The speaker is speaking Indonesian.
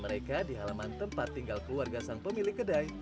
mereka di halaman tempat tinggal keluarga sang pemilik kedai